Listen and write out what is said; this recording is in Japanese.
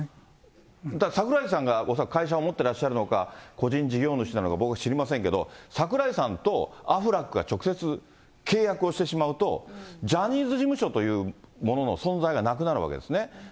櫻井さんが恐らく会社を持ってらっしゃるのか、個人事業主なのか、僕、知りませんけど、櫻井さんとアフラックが直接契約をしてしまうと、ジャニーズ事務所というものの存在がなくなるわけですね。